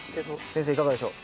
先生いかがでしょう？